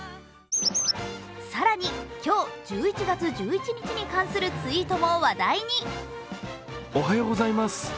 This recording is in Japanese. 更に、今日１１月１１日に関するツイートも話題に。